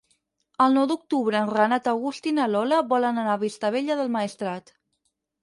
El nou d'octubre en Renat August i na Lola volen anar a Vistabella del Maestrat.